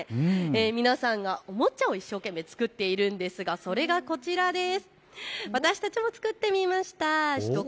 皆さんが、おもちゃを一生懸命作っているんですがそれがこちらです。